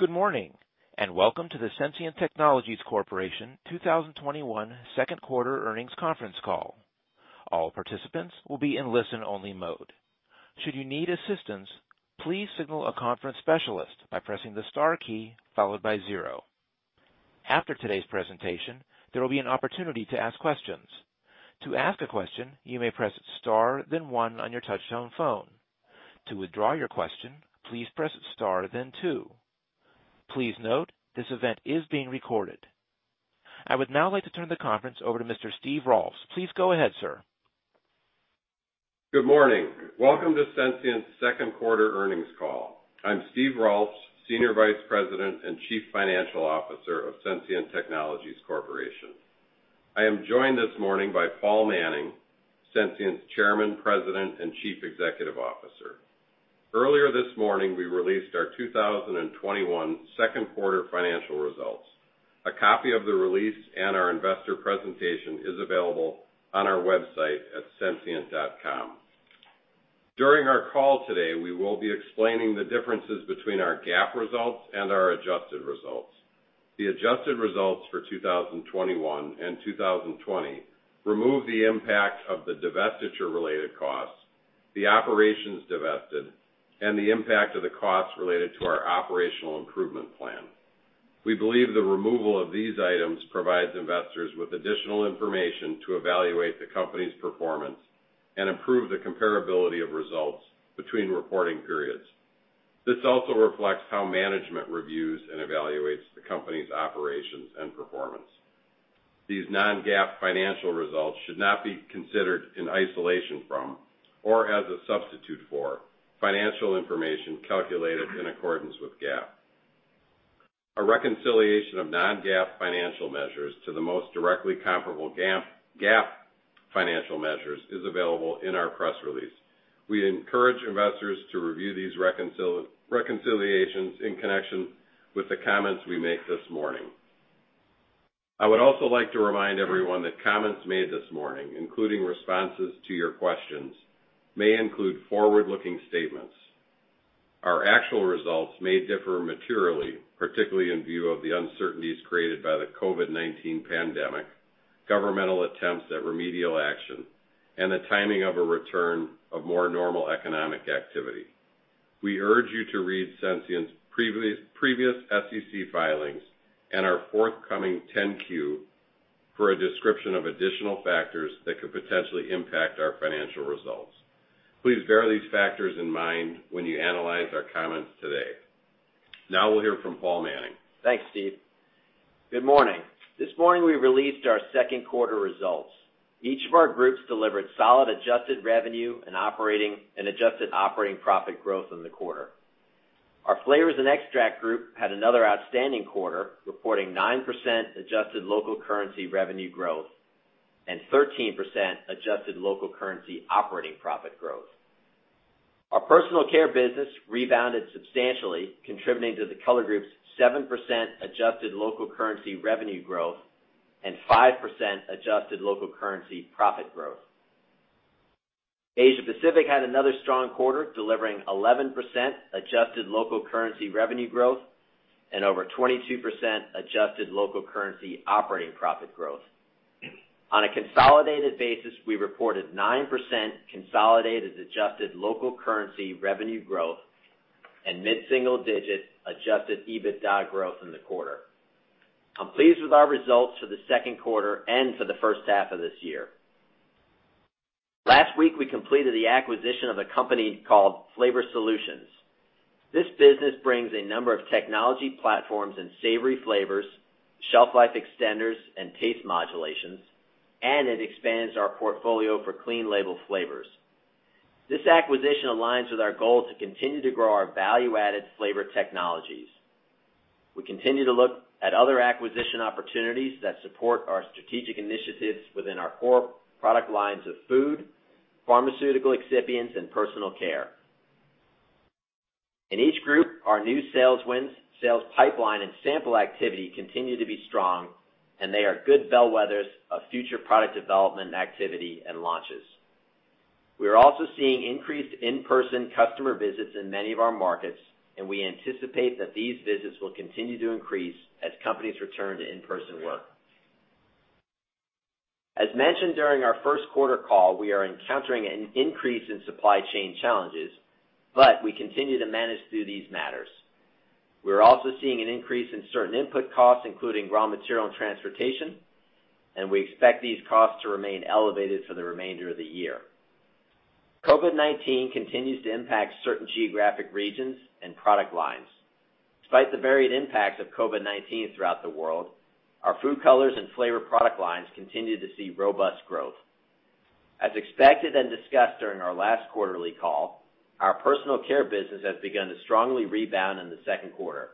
Good morning, and welcome to the Sensient Technologies Corporation 2021 second quarter earnings conference call. All participants will be on listen only mode. Should you need assistance please signal a the conference specialist by pressing the star key followed by zero. After today's presentation, there will be an opportunity to ask questions. To ask a question, you may press star then one on your telephone touchtone phone. To withdraw your question please press star then two Please note, this event is being recorded. I would now like to turn the conference over to Mr. Steve Rolfs. Please go ahead, sir. Good morning. Welcome to Sensient's second quarter earnings call. I am Steve Rolfs, Senior Vice President and Chief Financial Officer of Sensient Technologies Corporation. I am joined this morning by Paul Manning, Sensient's Chairman, President, and Chief Executive Officer. Earlier this morning, we released our 2021 second quarter financial results. A copy of the release and our investor presentation is available on our website at sensient.com. During our call today, we will be explaining the differences between our GAAP results and our adjusted results. The adjusted results for 2021 and 2020 remove the impact of the divestiture-related costs, the operations divested, and the impact of the costs related to our operational improvement plan. We believe the removal of these items provides investors with additional information to evaluate the company's performance and improve the comparability of results between reporting periods. This also reflects how management reviews and evaluates the company's operations and performance. These non-GAAP financial results should not be considered in isolation from, or as a substitute for, financial information calculated in accordance with GAAP. A reconciliation of non-GAAP financial measures to the most directly comparable GAAP financial measures is available in our press release. We encourage investors to review these reconciliations in connection with the comments we make this morning. I would also like to remind everyone that comments made this morning, including responses to your questions, may include forward-looking statements. Our actual results may differ materially, particularly in view of the uncertainties created by the COVID-19 pandemic, governmental attempts at remedial action, and the timing of a return of more normal economic activity. We urge you to read Sensient's previous SEC filings and our forthcoming 10-Q for a description of additional factors that could potentially impact our financial results. Please bear these factors in mind when you analyze our comments today. Now we'll hear from Paul Manning. Thanks, Steve. Good morning. This morning, we released our second quarter results. Each of our groups delivered solid adjusted revenue and adjusted operating profit growth in the quarter. Our Flavors & Extracts Group had another outstanding quarter, reporting 9% adjusted local currency revenue growth and 13% adjusted local currency operating profit growth. Our personal care business rebounded substantially, contributing to the Color Group's 7% adjusted local currency revenue growth and 5% adjusted local currency profit growth. Asia Pacific had another strong quarter, delivering 11% adjusted local currency revenue growth and over 22% adjusted local currency operating profit growth. On a consolidated basis, we reported 9% consolidated adjusted local currency revenue growth and mid-single-digit adjusted EBITDA growth in the quarter. I'm pleased with our results for the second quarter and for the first half of this year. Last week, we completed the acquisition of a company called Flavor Solutions. This business brings a number of technology platforms and savory flavors, shelf life extenders, and taste modulations, and it expands our portfolio for clean label flavors. This acquisition aligns with our goal to continue to grow our value-added flavor technologies. We continue to look at other acquisition opportunities that support our strategic initiatives within our core product lines of food, pharmaceutical excipients, and personal care. In each group, our new sales wins, sales pipeline, and sample activity continue to be strong, and they are good bellwethers of future product development activity and launches. We are also seeing increased in-person customer visits in many of our markets, and we anticipate that these visits will continue to increase as companies return to in-person work. As mentioned during our first quarter call, we are encountering an increase in supply chain challenges, but we continue to manage through these matters. We're also seeing an increase in certain input costs, including raw material and transportation, and we expect these costs to remain elevated for the remainder of the year. COVID-19 continues to impact certain geographic regions and product lines. Despite the varied impacts of COVID-19 throughout the world, our food colors and flavor product lines continue to see robust growth. As expected and discussed during our last quarterly call, our personal care business has begun to strongly rebound in the second quarter.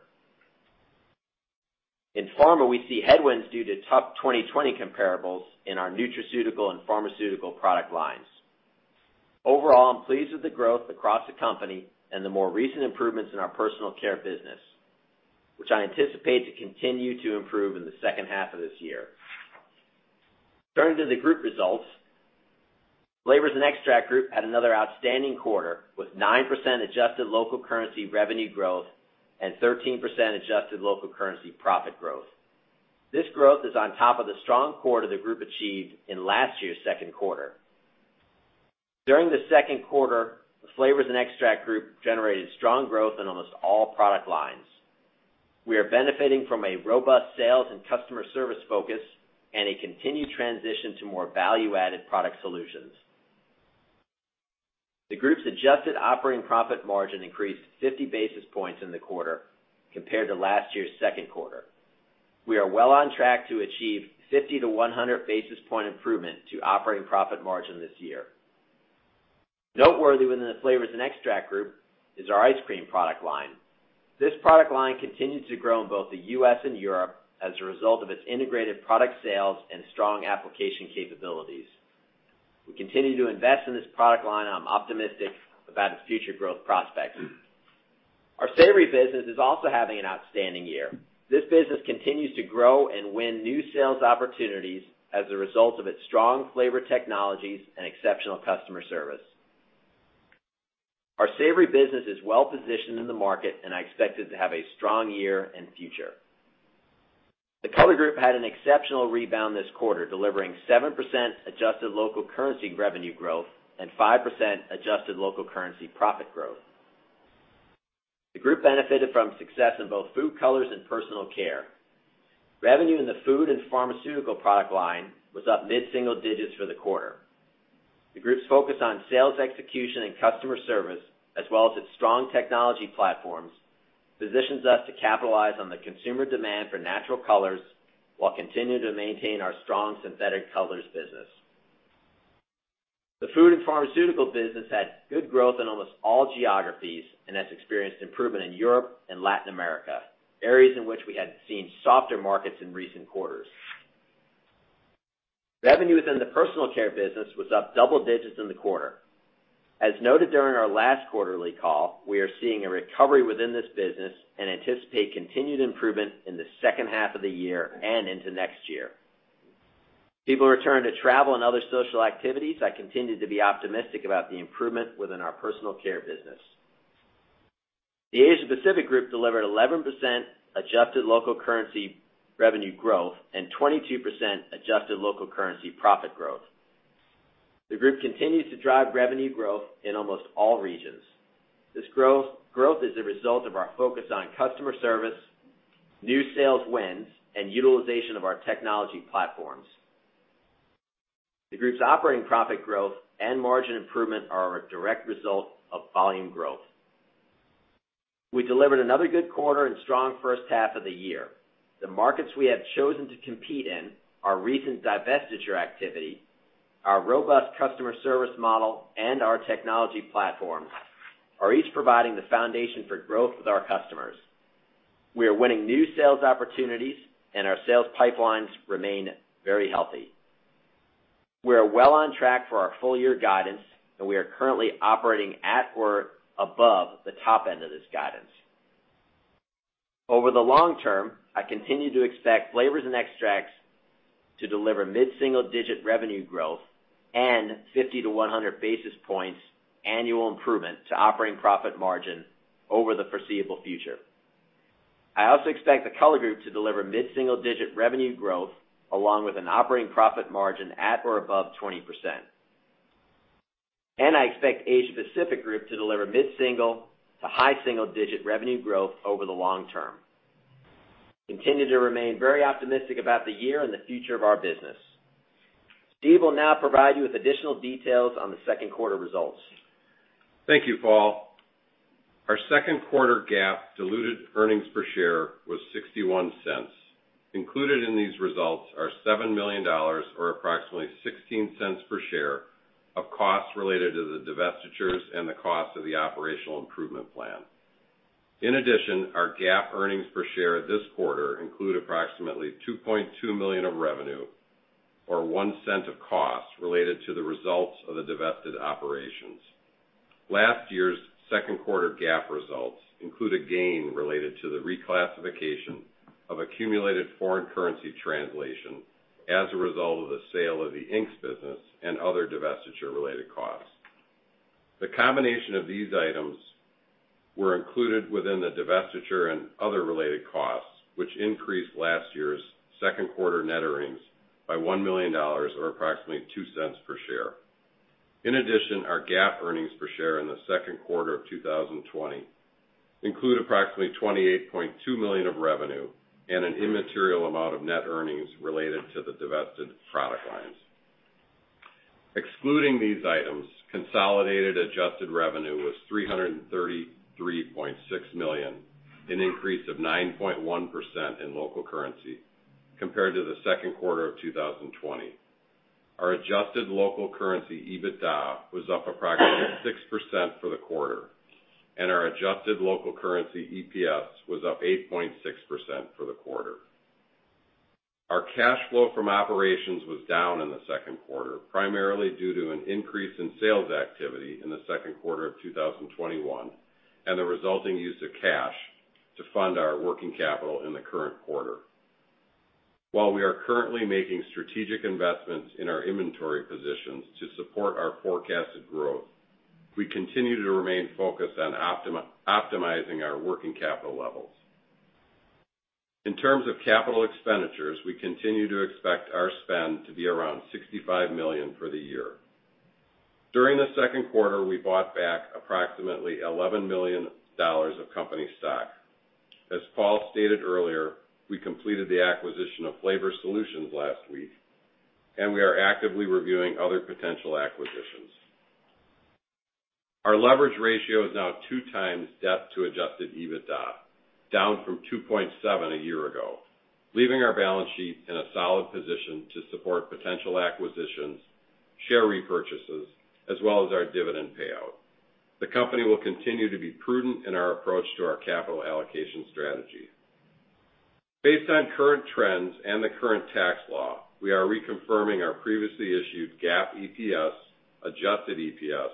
In pharma, we see headwinds due to tough 2020 comparables in our nutraceutical and pharmaceutical product lines. Overall, I'm pleased with the growth across the company and the more recent improvements in our personal care business, which I anticipate to continue to improve in the second half of this year. Turning to the group results, Flavors & Extracts Group had another outstanding quarter, with 9% adjusted local currency revenue growth and 13% adjusted local currency profit growth. This growth is on top of the strong quarter the group achieved in last year's second quarter. During the second quarter, the Flavors & Extracts Group generated strong growth in almost all product lines. We are benefiting from a robust sales and customer service focus and a continued transition to more value-added product solutions. The group's adjusted operating profit margin increased 50 basis points in the quarter compared to last year's second quarter. We are well on track to achieve 50-100 basis point improvement to operating profit margin this year. Noteworthy within the Flavors and Extracts Group is our ice cream product line. This product line continues to grow in both the U.S. and Europe as a result of its integrated product sales and strong application capabilities. We continue to invest in this product line. I'm optimistic about its future growth prospects. Our savory business is also having an outstanding year. This business continues to grow and win new sales opportunities as a result of its strong flavor technologies and exceptional customer service. Our savory business is well positioned in the market. I expect it to have a strong year and future. The Color Group had an exceptional rebound this quarter, delivering 7% adjusted local currency revenue growth and 5% adjusted local currency profit growth. The group benefited from success in both food colors and personal care. Revenue in the food and pharmaceutical product line was up mid-single digits for the quarter. The group's focus on sales execution and customer service, as well as its strong technology platforms, positions us to capitalize on the consumer demand for natural colors while continuing to maintain our strong synthetic colors business. The food and pharmaceutical business had good growth in almost all geographies and has experienced improvement in Europe and Latin America, areas in which we had seen softer markets in recent quarters. Revenue within the personal care business was up double digits in the quarter. As noted during our last quarterly call, we are seeing a recovery within this business and anticipate continued improvement in the second half of the year and into next year. People returning to travel and other social activities, I continue to be optimistic about the improvement within our personal care business. The Asia Pacific Group delivered 11% adjusted local currency revenue growth and 22% adjusted local currency profit growth. The group continues to drive revenue growth in almost all regions. This growth is a result of our focus on customer service, new sales wins, and utilization of our technology platforms. The group's operating profit growth and margin improvement are a direct result of volume growth. We delivered another good quarter and strong first half of the year. The markets we have chosen to compete in, our recent divestiture activity, our robust customer service model, and our technology platforms are each providing the foundation for growth with our customers. We are winning new sales opportunities, and our sales pipelines remain very healthy. We are well on track for our full-year guidance, and we are currently operating at or above the top end of this guidance. Over the long term, I continue to expect Flavors & Extracts to deliver mid-single-digit revenue growth and 50-100 basis points annual improvement to operating profit margin over the foreseeable future. I also expect the Color Group to deliver mid-single-digit revenue growth, along with an operating profit margin at or above 20%. I expect Asia Pacific Group to deliver mid-single to high single-digit revenue growth over the long term. I continue to remain very optimistic about the year and the future of our business. Steve will now provide you with additional details on the second quarter results. Thank you, Paul. Our second quarter GAAP diluted earnings per share was $0.61. Included in these results are $7 million, or approximately $0.16 per share of costs related to the divestitures and the cost of the operational improvement plan. In addition, our GAAP earnings per share this quarter include approximately $2.2 million of revenue, or $0.01 of costs related to the results of the divested operations. Last year's second quarter GAAP results include a gain related to the reclassification of accumulated foreign currency translation as a result of the sale of the inks business and other divestiture-related costs. The combination of these items were included within the divestiture and other related costs, which increased last year's second quarter net earnings by $1 million, or approximately $0.02 per share. In addition, our GAAP earnings per share in the second quarter of 2020 include approximately $28.2 million of revenue and an immaterial amount of net earnings related to the divested product lines. Excluding these items, consolidated adjusted revenue was $333.6 million, an increase of 9.1% in local currency compared to the second quarter of 2020. Our adjusted local currency EBITDA was up approximately 6% for the quarter, and our adjusted local currency EPS was up 8.6% for the quarter. Our cash flow from operations was down in the second quarter, primarily due to an increase in sales activity in the second quarter of 2021 and the resulting use of cash to fund our working capital in the current quarter. While we are currently making strategic investments in our inventory positions to support our forecasted growth, we continue to remain focused on optimizing our working capital levels. In terms of capital expenditures, we continue to expect our spend to be around $65 million for the year. During the second quarter, we bought back approximately $11 million of company stock. As Paul stated earlier, we completed the acquisition of Flavor Solutions last week, and we are actively reviewing other potential acquisitions. Our leverage ratio is now two times debt to adjusted EBITDA, down from 2.7 a year ago, leaving our balance sheet in a solid position to support potential acquisitions, share repurchases, as well as our dividend payout. The company will continue to be prudent in our approach to our capital allocation strategy. Based on current trends and the current tax law, we are reconfirming our previously issued GAAP EPS, adjusted EPS,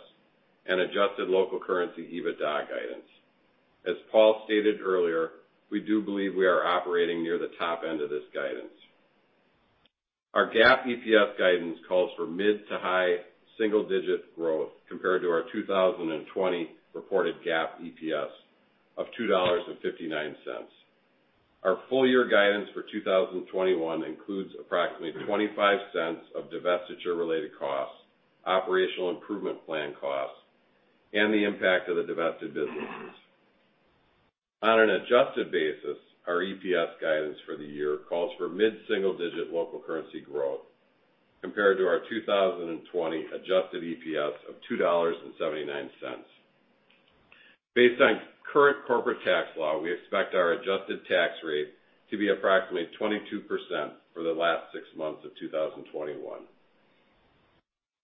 and adjusted local currency EBITDA guidance. As Paul stated earlier, we do believe we are operating near the top end of this guidance. Our GAAP EPS guidance calls for mid to high single-digit growth compared to our 2020 reported GAAP EPS of $2.59. Our full-year guidance for 2021 includes approximately $0.25 of divestiture-related costs, operational improvement plan costs, and the impact of the divested businesses. On an adjusted basis, our EPS guidance for the year calls for mid-single-digit local currency growth compared to our 2020 adjusted EPS of $2.79. Based on current corporate tax law, we expect our adjusted tax rate to be approximately 22% for the last six months of 2021.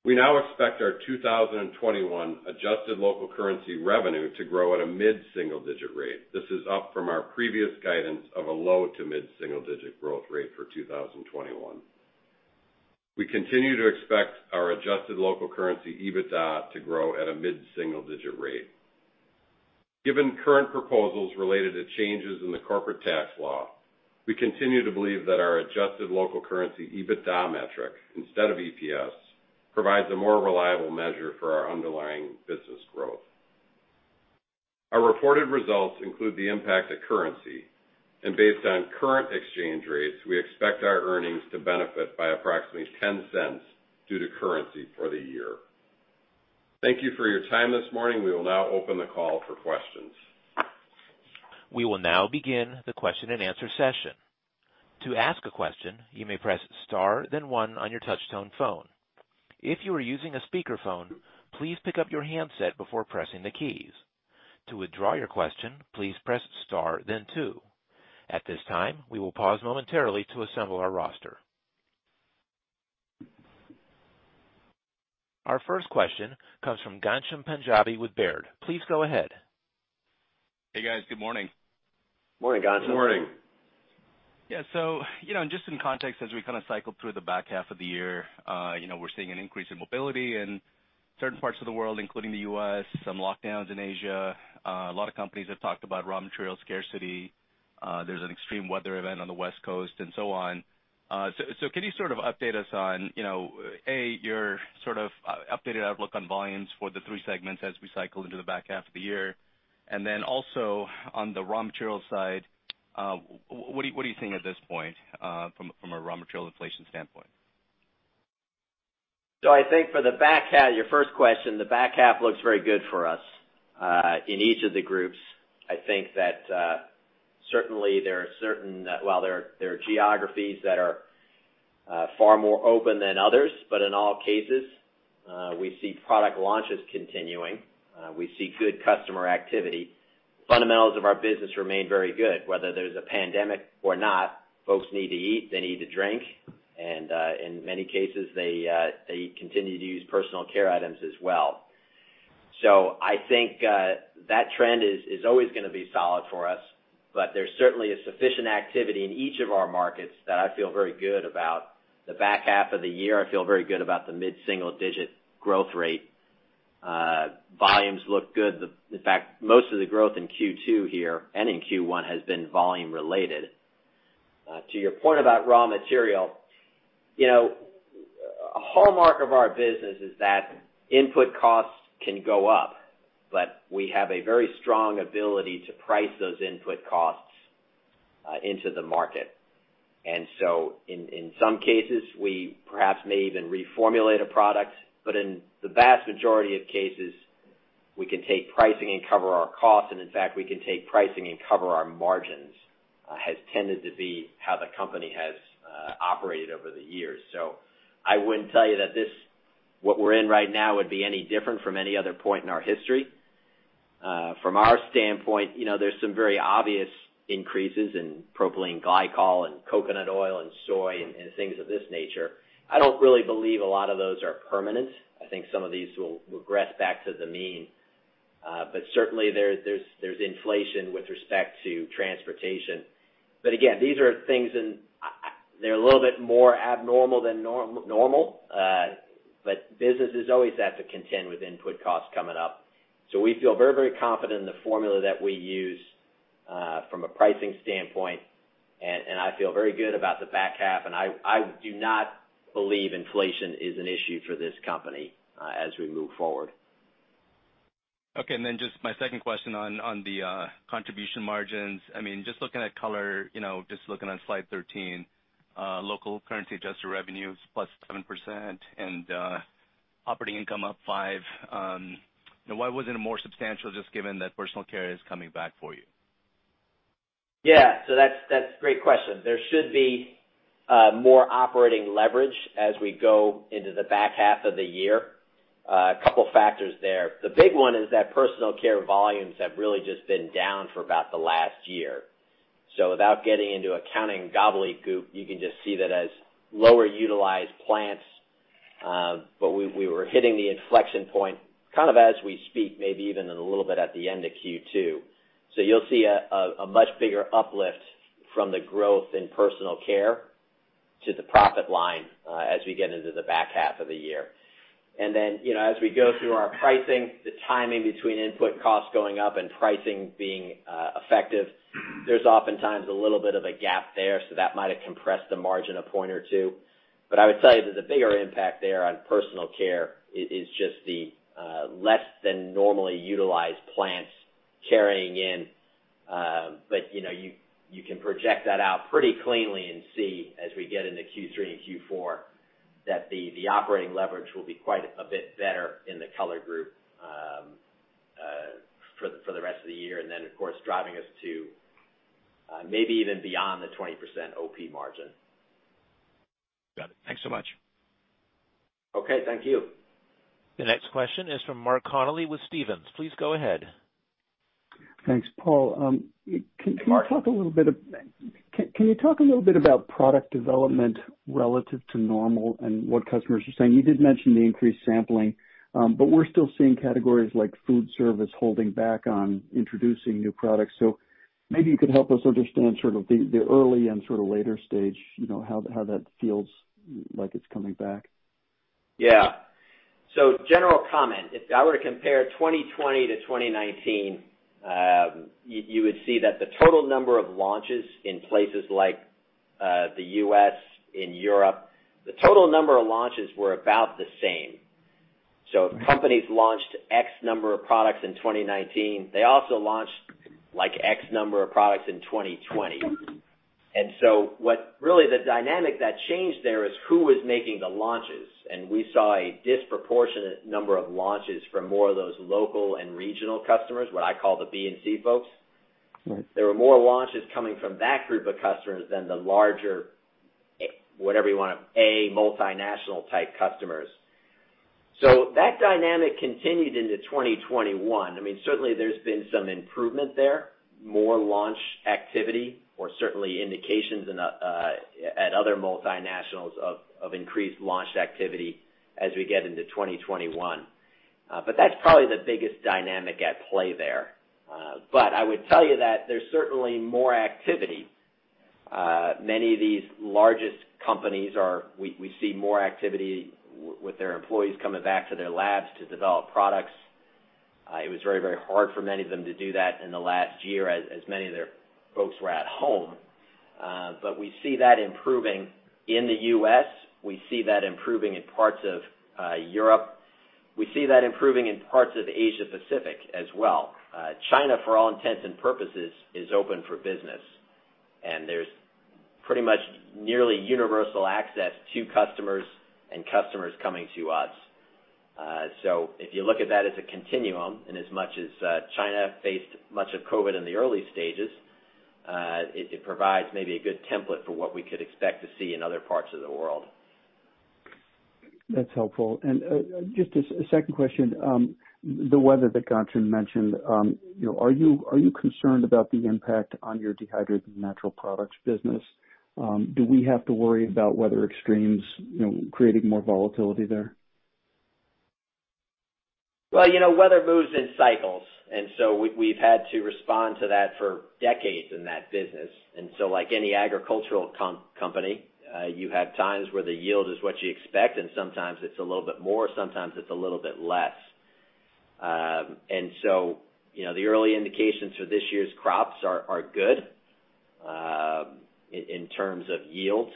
We now expect our 2021 adjusted local currency revenue to grow at a mid-single-digit rate. This is up from our previous guidance of a low to mid-single-digit growth rate for 2021. We continue to expect our adjusted local currency EBITDA to grow at a mid-single-digit rate. Given current proposals related to changes in the corporate tax law, we continue to believe that our adjusted local currency EBITDA metric, instead of EPS, provides a more reliable measure for our underlying business growth. Our reported results include the impact of currency, and based on current exchange rates, we expect our earnings to benefit by approximately $0.10 due to currency for the year. Thank you for your time this morning. We will now open the call for questions. We will now begin the question and answer session. To ask a question, you may press star then one on your touchtone phone. If you are using a speakerphone, please pick up your handset before pressing the keys. To withdraw your question, please press star then two. At this time, we will pause momentarily to assemble our roster. Our first question comes from Ghansham Panjabi with Baird. Please go ahead. Hey, guys. Good morning. Morning, Ghansham. Morning. Yeah. Just in context, as we cycle through the back half of the year, we're seeing an increase in mobility in certain parts of the world, including the U.S., some lockdowns in Asia. A lot of companies have talked about raw material scarcity. There's an extreme weather event on the West Coast and so on. Can you sort of update us on, A, your sort of updated outlook on volumes for the three segments as we cycle into the back half of the year, and then also on the raw material side, what are you seeing at this point from a raw material inflation standpoint? I think for the back half, your first question, the back half looks very good for us. In each of the Groups, I think that certainly there are geographies that are far more open than others, but in all cases, we see product launches continuing. We see good customer activity. Fundamentals of our business remain very good. Whether there's a pandemic or not, folks need to eat, they need to drink, and in many cases, they continue to use personal care items as well. I think that trend is always going to be solid for us, but there's certainly a sufficient activity in each of our markets that I feel very good about. The back half of the year, I feel very good about the mid-single-digit growth rate. Volumes look good. In fact, most of the growth in Q2 here, and in Q1, has been volume related. To your point about raw material, a hallmark of our business is that input costs can go up, but we have a very strong ability to price those input costs into the market. In some cases, we perhaps may even reformulate a product, but in the vast majority of cases, we can take pricing and cover our costs, and in fact, we can take pricing and cover our margins, has tended to be how the company has operated over the years. I wouldn't tell you that what we're in right now would be any different from any other point in our history. From our standpoint, there's some very obvious increases in propylene glycol and coconut oil and soy and things of this nature. I don't really believe a lot of those are permanent. I think some of these will regress back to the mean. Certainly, there's inflation with respect to transportation. They're a little bit more abnormal than normal. Businesses always have to contend with input costs coming up. We feel very confident in the formula that we use from a pricing standpoint, and I feel very good about the back half, and I do not believe inflation is an issue for this company as we move forward. Okay. Just my second question on the contribution margins. Just looking at color, just looking on slide 13, local currency adjusted revenues plus 7% and operating income up 5%. Why wasn't it more substantial, just given that personal care is coming back for you? Yeah. That's a great question. There should be more operating leverage as we go into the back half of the year. A couple of factors there. The big one is that personal care volumes have really just been down for about the last year. Without getting into accounting gobbly-goop, you can just see that as lower utilized plants. We were hitting the inflection point kind of as we speak, maybe even in a little bit at the end of Q2. You'll see a much bigger uplift from the growth in personal care to the profit line as we get into the back half of the year. As we go through our pricing, the timing between input costs going up and pricing being effective, there's oftentimes a little bit of a gap there. That might have compressed the margin a point or two. I would tell you that the bigger impact there on personal care is just the less than normally utilized plants carrying in. You can project that out pretty cleanly and see as we get into Q3 and Q4, that the operating leverage will be quite a bit better in the Color Group for the rest of the year, and then, of course, driving us to maybe even beyond the 20% OP margin. Got it. Thanks so much. Okay. Thank you. The next question is from Mark Connelly with Stephens. Please go ahead. Thanks, Paul. Mark. Can you talk a little bit about product development relative to normal and what customers are saying? You did mention the increased sampling. We're still seeing categories like food service holding back on introducing new products. Maybe you could help us understand sort of the early and sort of later stage, how that feels like it's coming back. Yeah. General comment, if I were to compare 2020 to 2019, you would see that the total number of launches in places like the U.S., in Europe, the total number of launches were about the same. If companies launched X number of products in 2019, they also launched like X number of products in 2020. Really the dynamic that changed there is who was making the launches. We saw a disproportionate number of launches from more of those local and regional customers, what I call the B and C folks. Right. There were more launches coming from that group of customers than the larger, whatever you want to, a multinational type customers. That dynamic continued into 2021. Certainly there's been some improvement there, more launch activity or certainly indications at other multinationals of increased launch activity as we get into 2021. That's probably the biggest dynamic at play there. I would tell you that there's certainly more activity. Many of these largest companies we see more activity with their employees coming back to their labs to develop products. It was very hard for many of them to do that in the last year, as many of their folks were at home. We see that improving in the U.S. We see that improving in parts of Europe. We see that improving in parts of Asia Pacific as well. China, for all intents and purposes, is open for business, and there's pretty much nearly universal access to customers and customers coming to us. If you look at that as a continuum, and as much as China faced much of COVID-19 in the early stages, it provides maybe a good template for what we could expect to see in other parts of the world. That's helpful. Just as a second question, the weather that Ghansham mentioned, are you concerned about the impact on your dehydrated natural products business? Do we have to worry about weather extremes creating more volatility there? Well, weather moves in cycles, we've had to respond to that for decades in that business. Like any agricultural company, you have times where the yield is what you expect, and sometimes it's a little bit more, sometimes it's a little bit less. The early indications for this year's crops are good in terms of yields.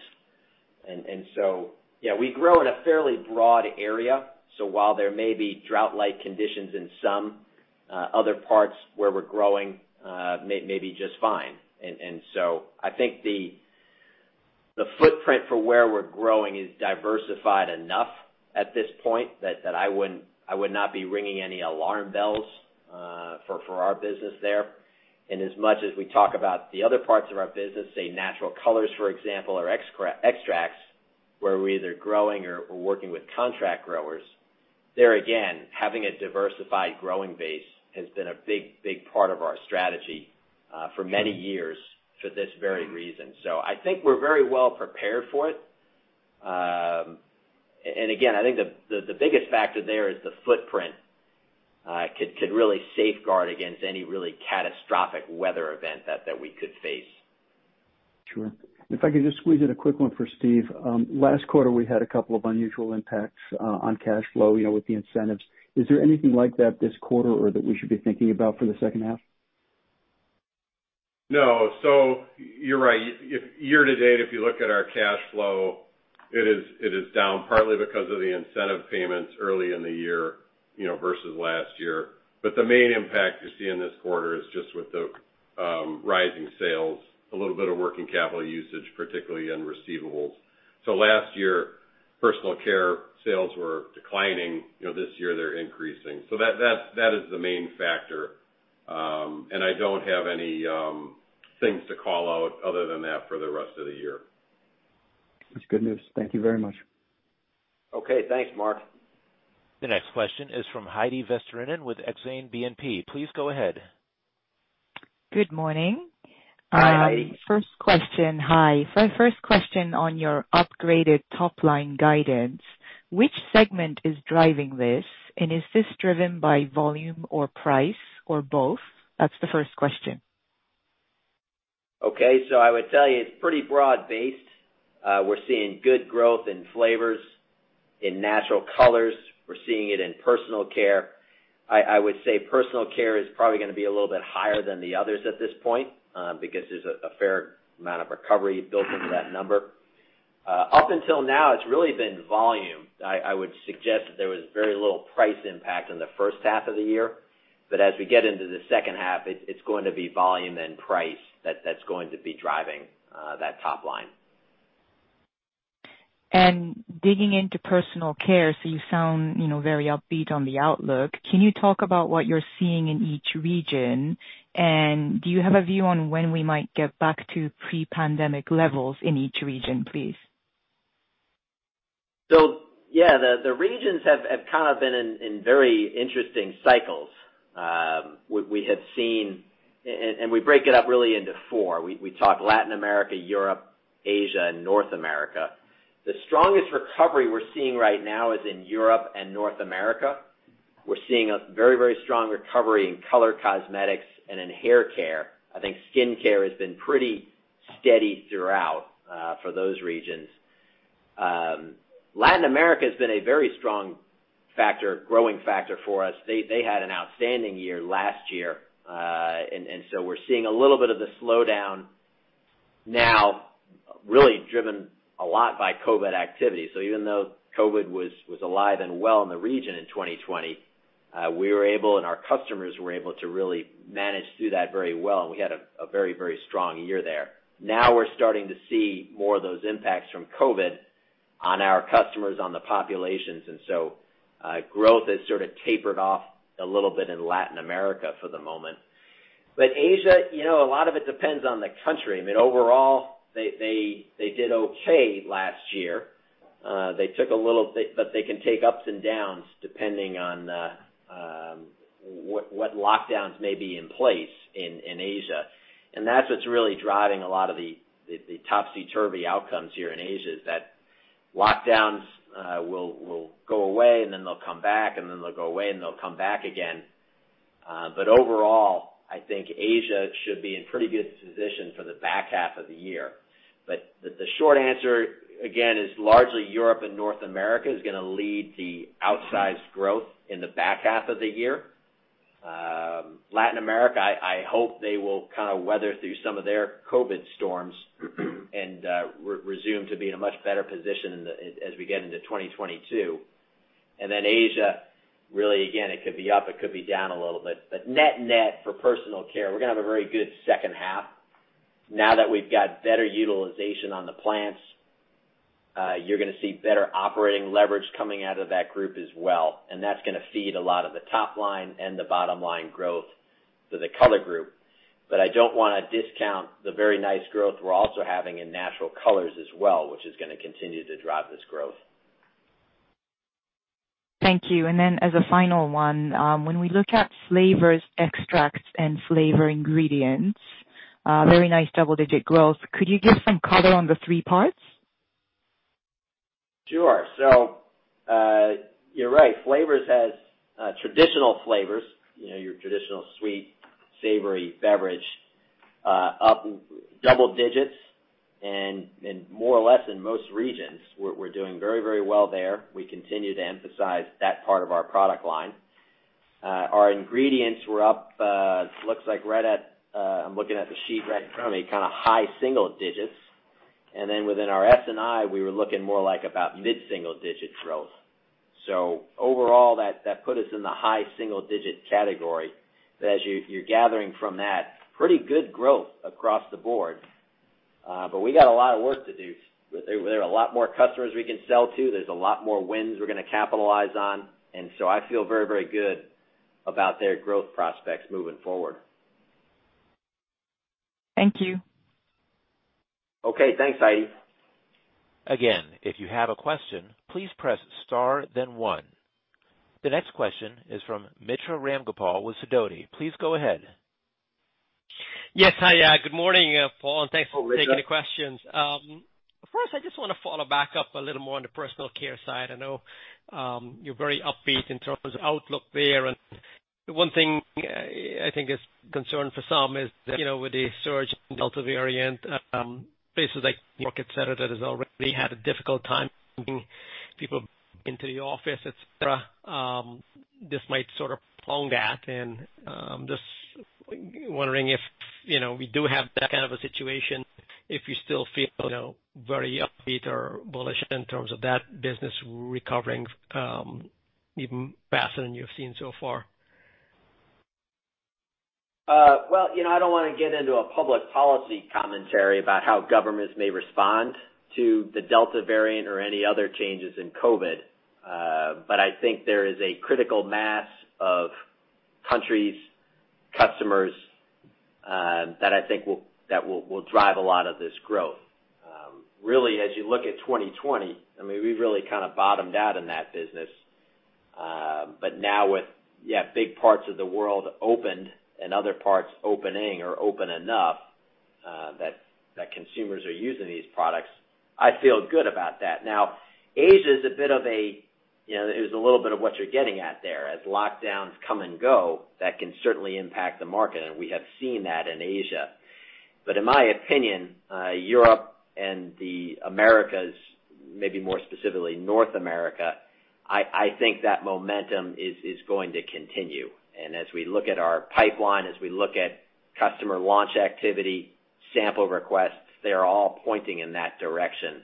Yeah, we grow in a fairly broad area. While there may be drought-like conditions in some other parts where we're growing may be just fine. I think the footprint for where we're growing is diversified enough at this point that I would not be ringing any alarm bells for our business there. As much as we talk about the other parts of our business, say natural colors, for example, or extracts, where we're either growing or working with contract growers, there again, having a diversified growing base has been a big part of our strategy for many years for this very reason. I think we're very well prepared for it. Again, I think the biggest factor there is the footprint could really safeguard against any really catastrophic weather event that we could face. Sure. If I could just squeeze in a quick one for Steve. Last quarter, we had a couple of unusual impacts on cash flow with the incentives. Is there anything like that this quarter or that we should be thinking about for the second half? No. You're right. Year to date, if you look at our cash flow, it is down partly because of the incentive payments early in the year versus last year. The main impact you're seeing this quarter is just with the rising sales, a little bit of working capital usage, particularly in receivables. Last year, personal care sales were declining. This year, they're increasing. That is the main factor. I don't have any things to call out other than that for the rest of the year. That's good news. Thank you very much. Okay. Thanks, Mark. The next question is from Heidi Vesterinen with Exane BNP. Please go ahead. Good morning. Hi. Hi. First question on your upgraded top-line guidance, which segment is driving this? Is this driven by volume or price or both? That's the first question. I would tell you it's pretty broad-based. We're seeing good growth in flavors, in natural colors. We're seeing it in personal care. I would say personal care is probably going to be a little bit higher than the others at this point, because there's a fair amount of recovery built into that number. Up until now, it's really been volume. I would suggest that there was very little price impact in the first half of the year, but as we get into the second half, it's going to be volume and price that's going to be driving that top line. Digging into personal care, you sound very upbeat on the outlook. Can you talk about what you're seeing in each region? Do you have a view on when we might get back to pre-pandemic levels in each region, please? Yeah, the regions have kind of been in very interesting cycles. We break it up really into four. We talk Latin America, Europe, Asia, and North America. The strongest recovery we're seeing right now is in Europe and North America. We're seeing a very strong recovery in color cosmetics and in hair care. I think skin care has been pretty steady throughout for those regions. Latin America has been a very strong growing factor for us. They had an outstanding year last year. We're seeing a little bit of the slowdown now really driven a lot by COVID activity. Even though COVID was alive and well in the region in 2020, we were able, and our customers were able to really manage through that very well, and we had a very strong year there. We're starting to see more of those impacts from COVID-19 on our customers, on the populations. Growth has sort of tapered off a little bit in Latin America for the moment. Asia Pacific, a lot of it depends on the country. I mean, overall, they did okay last year. They took a little bit, they can take ups and downs depending on what lockdowns may be in place in Asia Pacific. That's what's really driving a lot of the topsy-turvy outcomes here in Asia Pacific, is that lockdowns will go away, and then they'll come back, and then they'll go away, and they'll come back again. Overall, I think Asia Pacific should be in pretty good position for the back half of the year. The short answer again, is largely Europe and North America is going to lead the outsized growth in the back half of the year. Latin America, I hope they will kind of weather through some of their COVID storms and resume to be in a much better position as we get into 2022. Asia, really, again, it could be up, it could be down a little bit. Net for personal care, we're going to have a very good second half. Now that we've got better utilization on the plants, you're going to see better operating leverage coming out of that group as well, and that's going to feed a lot of the top line and the bottom line growth for the Color Group. I don't want to discount the very nice growth we're also having in natural colors as well, which is going to continue to drive this growth. Thank you. As a final one, when we look at flavors, extracts, and flavor ingredients, very nice double-digit growth. Could you give some color on the 3 parts? Sure. You're right. Flavors has traditional flavors, your traditional sweet, savory beverage, up double digits and more or less in most regions. We're doing very well there. We continue to emphasize that part of our product line. Our ingredients were up, looks like right at, I'm looking at the sheet right in front of me, kind of high single digits. Within our SNI, we were looking more like about mid-single digit growth. Overall, that put us in the high single digit category. As you're gathering from that, pretty good growth across the board. We got a lot of work to do. There are a lot more customers we can sell to. There's a lot more wins we're going to capitalize on. I feel very good about their growth prospects moving forward. Thank you. Okay. Thanks, Heidi. Again, if you have a question, please press star then one. The next question is from Mitra Ramgopal with Sidoti. Please go ahead. Hi, good morning, Paul, and thanks for taking the questions. First, I just want to follow back up a little more on the personal care side. I know you're very upbeat in terms of outlook there, and one thing I think is a concern for some is that with the surge in the Delta variant, places like N.Y., et cetera, that has already had a difficult time getting people into the office, et cetera, this might sort of prolong that. Just wondering if we do have that kind of a situation, if you still feel very upbeat or bullish in terms of that business recovering even faster than you've seen so far. I don't want to get into a public policy commentary about how governments may respond to the Delta variant or any other changes in COVID. I think there is a critical mass of countries, customers, that I think that will drive a lot of this growth. As you look at 2020, we really kind of bottomed out in that business. Now with big parts of the world opened and other parts opening or open enough that consumers are using these products, I feel good about that. Now, Asia is a little bit of what you're getting at there. As lockdowns come and go, that can certainly impact the market, and we have seen that in Asia. In my opinion, Europe and the Americas, maybe more specifically North America, I think that momentum is going to continue. As we look at our pipeline, as we look at customer launch activity, sample requests, they are all pointing in that direction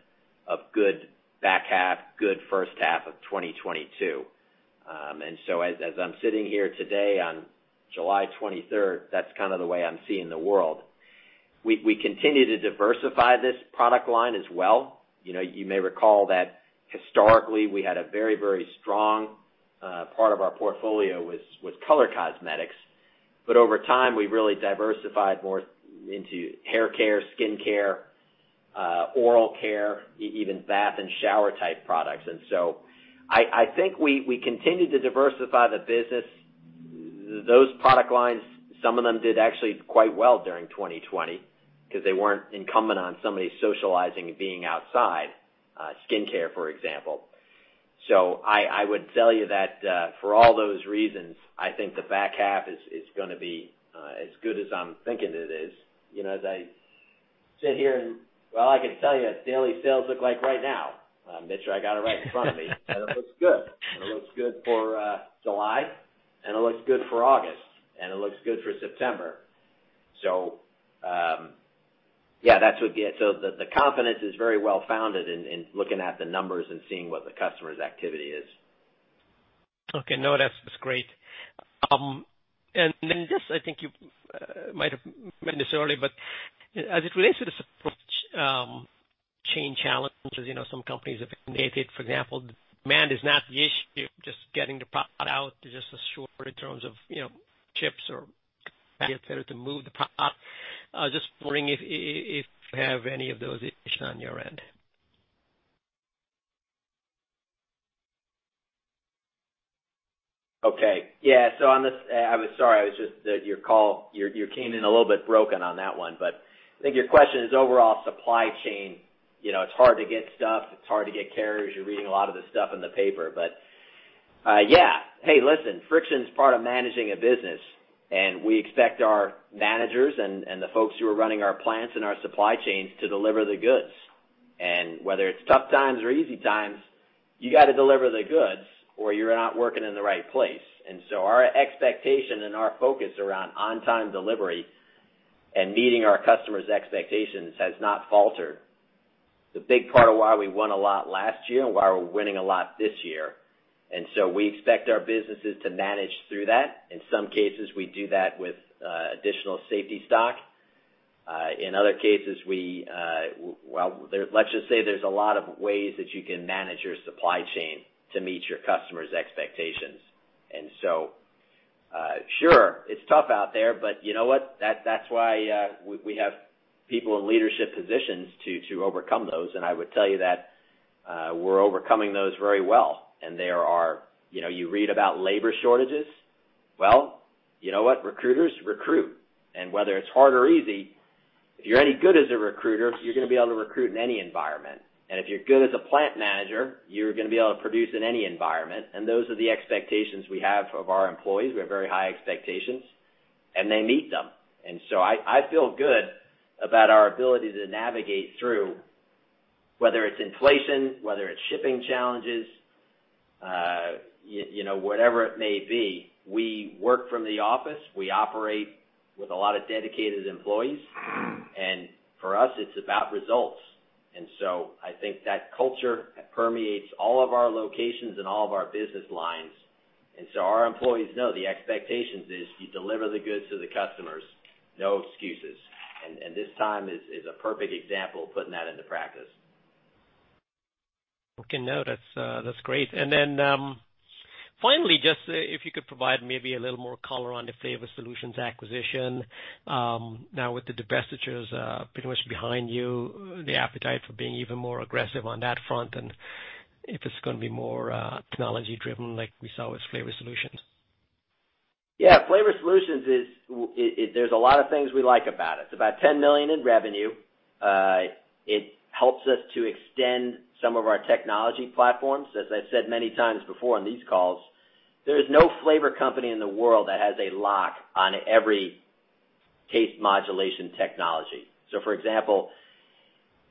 of good back half, good first half of 2022. As I'm sitting here today on July 23rd, that's kind of the way I'm seeing the world. We continue to diversify this product line as well. You may recall that historically we had a very strong part of our portfolio with color cosmetics. Over time, we really diversified more into hair care, skin care, oral care, even bath and shower type products. I think we continue to diversify the business. Those product lines, some of them did actually quite well during 2020 because they weren't incumbent on somebody socializing and being outside, skin care, for example. I would tell you that for all those reasons, I think the back half is going to be as good as I'm thinking it is. As I sit here and Well, I can tell you what daily sales look like right now, Mitra, I got it right in front of me. It looks good. It looks good for July, and it looks good for August, and it looks good for September. The confidence is very well founded in looking at the numbers and seeing what the customer's activity is. Okay. No, that's great. Just, I think you might have mentioned this earlier, but as it relates to the supply chain challenges, some companies have indicated, for example, demand is not the issue, just getting the product out is just as short in terms of chips or capacity to move the product. Just wondering if you have any of those issues on your end. Okay. Yeah. Sorry, you came in a little bit broken on that one. I think your question is overall supply chain. It's hard to get stuff, it's hard to get carriers. You're reading a lot of this stuff in the paper. Yeah. Hey, listen, friction's part of managing a business, and we expect our managers and the folks who are running our plants and our supply chains to deliver the goods. Whether it's tough times or easy times, you got to deliver the goods or you're not working in the right place. Our expectation and our focus around on-time delivery and meeting our customers' expectations has not faltered. The big part of why we won a lot last year and why we're winning a lot this year. We expect our businesses to manage through that. In some cases, we do that with additional safety stock. In other cases, let's just say there's a lot of ways that you can manage your supply chain to meet your customers' expectations. Sure, it's tough out there, but you know what? That's why we have people in leadership positions to overcome those. I would tell you that we're overcoming those very well. You read about labor shortages. Well, you know what? Recruiters recruit. Whether it's hard or easy, if you're any good as a recruiter, you're gonna be able to recruit in any environment. If you're good as a plant manager, you're gonna be able to produce in any environment. Those are the expectations we have of our employees. We have very high expectations, and they meet them. I feel good about our ability to navigate through, whether it's inflation, whether it's shipping challenges, whatever it may be. We work from the office. We operate with a lot of dedicated employees. For us, it's about results. I think that culture permeates all of our locations and all of our business lines. Our employees know the expectations is you deliver the goods to the customers, no excuses. This time is a perfect example of putting that into practice. Okay, no, that's great. Finally, just if you could provide maybe a little more color on the Flavor Solutions acquisition. Now with the divestitures pretty much behind you, the appetite for being even more aggressive on that front and if it's going to be more technology-driven like we saw with Flavor Solutions? Yeah, Flavor Solutions, there's a lot of things we like about it. It's about $10 million in revenue. It helps us to extend some of our technology platforms. As I've said many times before on these calls, there's no flavor company in the world that has a lock on every taste modulation technology. For example,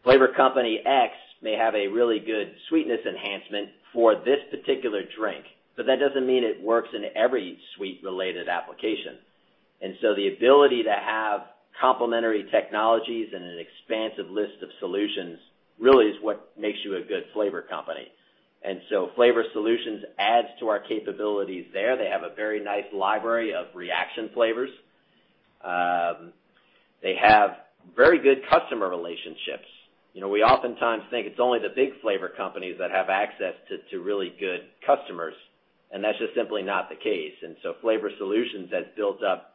flavor company X may have a really good sweetness enhancement for this particular drink, but that doesn't mean it works in every sweet-related application. The ability to have complementary technologies and an expansive list of solutions really is what makes you a good flavor company. Flavor Solutions adds to our capabilities there. They have a very nice library of reaction flavors. They have very good customer relationships. We oftentimes think it's only the big flavor companies that have access to really good customers, and that's just simply not the case. Flavor Solutions has built up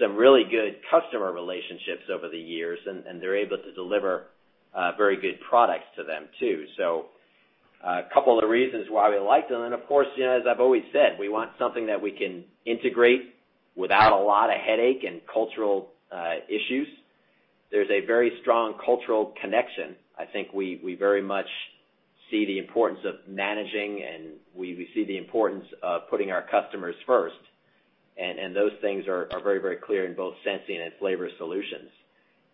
some really good customer relationships over the years, and they're able to deliver very good products to them, too. A couple of the reasons why we liked them, and of course, as I've always said, we want something that we can integrate without a lot of headache and cultural issues. There's a very strong cultural connection. I think we very much see the importance of managing, and we see the importance of putting our customers first. Those things are very clear in both Sensient and Flavor Solutions.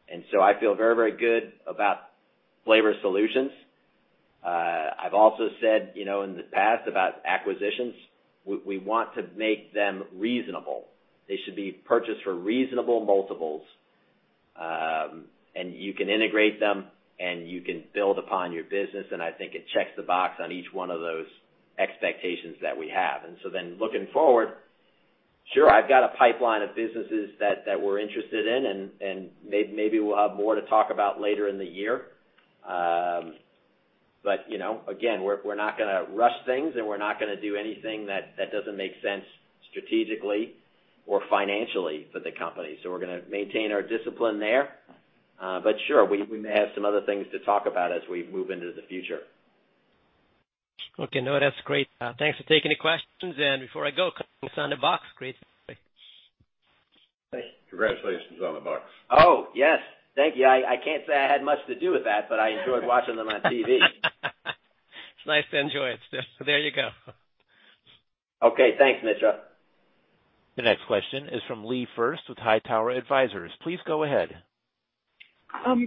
I feel very good about Flavor Solutions. I've also said in the past about acquisitions, we want to make them reasonable. They should be purchased for reasonable multiples. You can integrate them, and you can build upon your business, and I think it checks the box on each one of those expectations that we have. Looking forward, sure, I've got a pipeline of businesses that we're interested in, and maybe we'll have more to talk about later in the year. Again, we're not going to rush things, and we're not going to do anything that doesn't make sense strategically or financially for the company. We're going to maintain our discipline there. Sure, we may have some other things to talk about as we move into the future. Okay. No, that's great. Thanks for taking the questions. Before I go, congrats on the Bucks, great series. Congratulations on the Bucks. Oh, yes. Thank you. I can't say I had much to do with that, but I enjoyed watching them on TV. It's nice to enjoy it. There you go. Okay. Thanks, Mitra. The next question is from Leigh Ferst with Hightower Advisors. Please go ahead.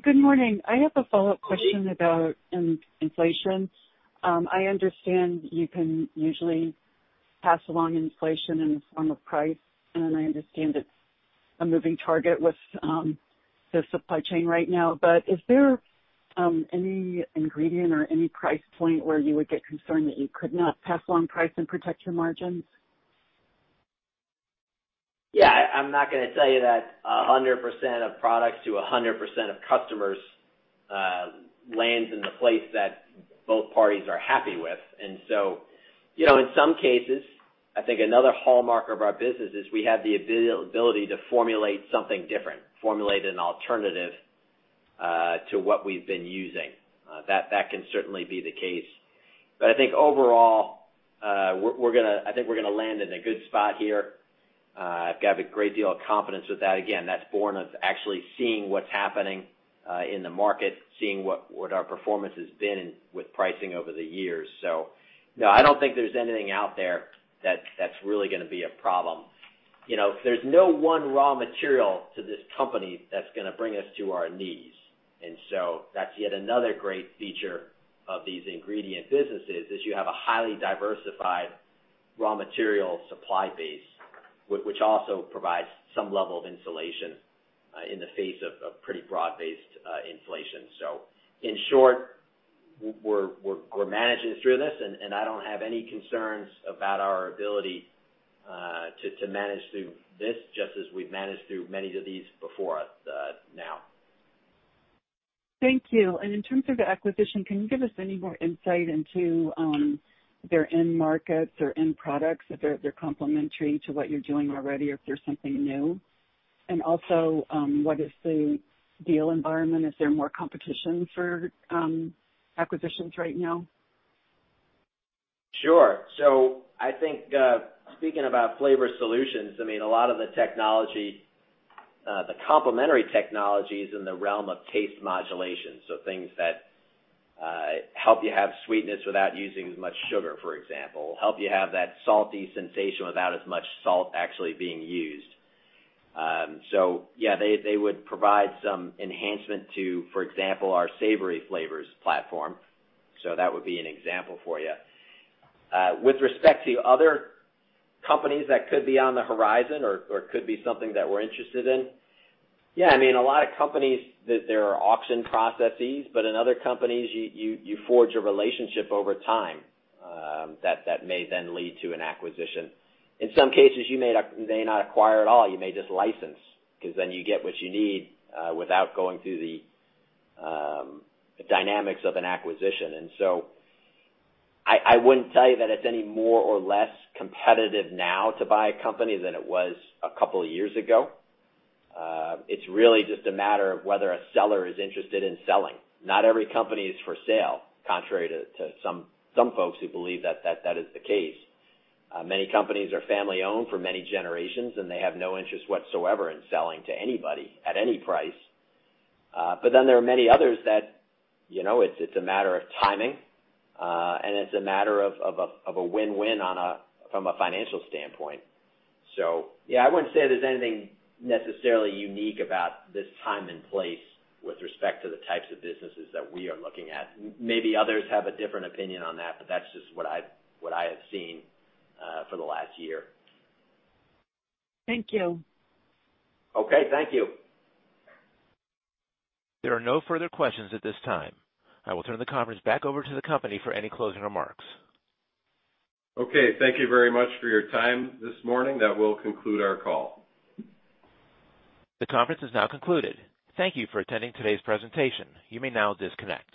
Good morning. I have a follow-up question about inflation. I understand you can usually pass along inflation in the form of price, and I understand it's a moving target with the supply chain right now. Is there any ingredient or any price point where you would get concerned that you could not pass along price and protect your margins? Yeah. I'm not going to tell you that 100% of products to 100% of customers lands in the place that both parties are happy with. In some cases, I think another hallmark of our business is we have the ability to formulate something different, formulate an alternative to what we've been using. That can certainly be the case. I think overall, I think we're going to land in a good spot here. I've got a great deal of confidence with that. Again, that's born of actually seeing what's happening in the market, seeing what our performance has been with pricing over the years. No, I don't think there's anything out there that's really going to be a problem. There's no one raw material to this company that's going to bring us to our knees. That's yet another great feature of these ingredient businesses, is you have a highly diversified raw material supply base, which also provides some level of insulation in the face of pretty broad-based inflation. In short, we're managing through this, and I don't have any concerns about our ability to manage through this just as we've managed through many of these before us now. Thank you. In terms of the acquisition, can you give us any more insight into their end markets, their end products, if they're complementary to what you're doing already, or if they're something new? Also, what is the deal environment? Is there more competition for acquisitions right now? Sure. I think, speaking about Flavor Solutions, a lot of the technology, the complementary technologies in the realm of taste modulation. Things that help you have sweetness without using as much sugar, for example. Help you have that salty sensation without as much salt actually being used. Yeah, they would provide some enhancement to, for example, our savory flavors platform. That would be an example for you. With respect to other companies that could be on the horizon or could be something that we're interested in, yeah, a lot of companies that there are auction processes, but in other companies, you forge a relationship over time that may then lead to an acquisition. In some cases, you may not acquire at all. You may just license, because then you get what you need without going through the dynamics of an acquisition. I wouldn't tell you that it's any more or less competitive now to buy a company than it was a couple of years ago. It's really just a matter of whether a seller is interested in selling. Not every company is for sale, contrary to some folks who believe that is the case. Many companies are family-owned for many generations, and they have no interest whatsoever in selling to anybody at any price. There are many others that it's a matter of timing, and it's a matter of a win-win from a financial standpoint. I wouldn't say there's anything necessarily unique about this time and place with respect to the types of businesses that we are looking at. Maybe others have a different opinion on that, but that's just what I have seen for the last year. Thank you. Okay. Thank you. There are no further questions at this time. I will turn the conference back over to the company for any closing remarks. Okay. Thank you very much for your time this morning. That will conclude our call. The conference is now concluded. Thank you for attending today's presentation. You may now disconnect.